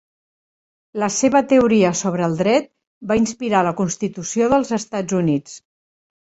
La seva teoria sobre el dret va inspirar la Constitució dels Estats Units.